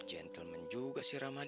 gentleman juga sih rahmatnya